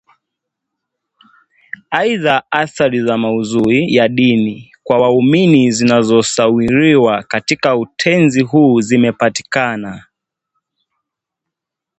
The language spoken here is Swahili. Aidha, athari za maudhui ya dini kwa waumini zinazosawiriwa katika utenzi huu zimepatikana